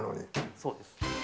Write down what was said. そうです。